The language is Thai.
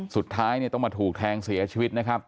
สุดท้ายเนี่ยต้องมาถูกแทงเสียชีวิตนะครับ